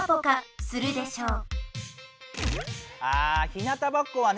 ひなたぼっこはね